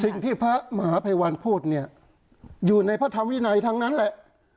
สิ่งที่พระมหาภัยวันพูดเนี่ยอยู่ในพระธรรมวินัยทั้งนั้นแหละ